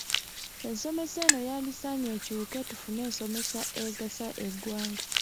Ensomesa eno yandisaanye ekyuke tufuna ensomesa egasa eggwanga.